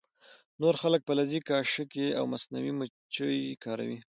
نور خلک فلزي قاشقې او مصنوعي مچۍ کاروي